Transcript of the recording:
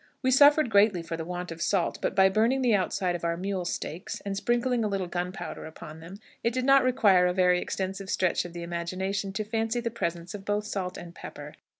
We suffered greatly for the want of salt; but, by burning the outside of our mule steaks, and sprinkling a little gunpowder upon them, it did not require a very extensive stretch of the imagination to fancy the presence of both salt and pepper.